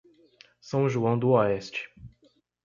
São João do Oeste